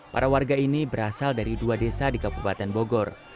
para warga ini berasal dari dua desa di kabupaten bogor